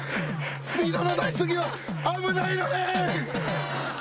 スピードの出し過ぎは危ないのねん。